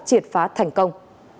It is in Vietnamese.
triệt phá thành công